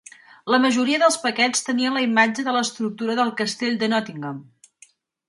La majoria dels paquets tenien la imatge de l'estructura del Castell de Nottingham.